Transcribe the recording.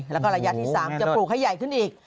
แล้วก็ระยะที่๓จะปลูกให้ใหญ่ขึ้นอีก